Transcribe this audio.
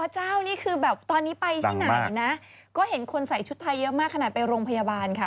เจ้านี่คือแบบตอนนี้ไปที่ไหนนะก็เห็นคนใส่ชุดไทยเยอะมากขนาดไปโรงพยาบาลค่ะ